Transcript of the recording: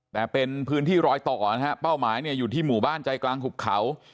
แต่เป็นพื้นที่รอยต่อนะฮะเป้าหมายเนี่ยอยู่ที่หมู่บ้านใจกลางหุบเขา